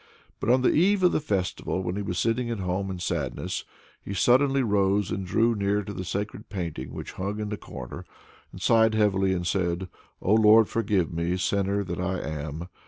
But on the eve of the festival, when he was sitting at home in sadness, he suddenly rose and drew near to the sacred painting which hung in the corner, and sighed heavily, and said, "O Lord! forgive me, sinner that I am!